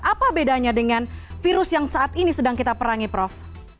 apa bedanya dengan virus yang saat ini sedang kita perangi prof